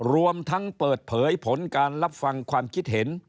รวมทั้งเปิดเผยผลการรับฟังความคิดเห็น